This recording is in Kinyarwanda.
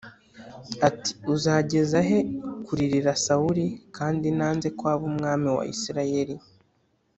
ati “Uzageza he kuririra Sawuli, kandi nanze ko aba umwami wa Isirayeli?